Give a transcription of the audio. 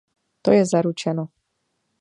To je zaručeno.